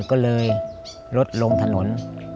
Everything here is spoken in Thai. ก็เลยลดลงถนน